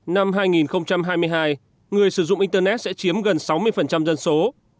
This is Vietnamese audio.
năm hai nghìn hai mươi hai người sử dụng internet sẽ chiếm gần sáu mươi dân số